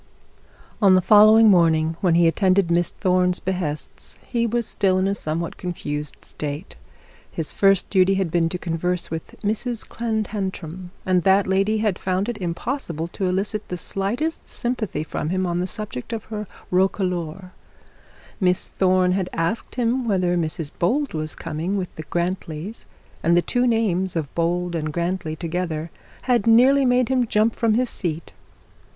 On the following morning, when he attended Miss Thorne's behests, he was still in a somewhat confused state. His first duty had been to converse with Mrs Clantantram, and that lady had found it impossible to elicit the slightest sympathy from him on the subject of hr roquelaure. Miss Thorne had asked him whether Mrs Bold was coming with the Grantlys; and the two names of Bold and Grantly together had nearly made him jump from his seat.